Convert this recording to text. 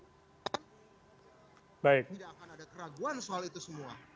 tidak akan ada keraguan soal itu semua